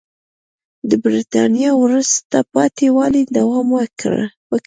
د برېټانیا وروسته پاتې والي دوام وکړ.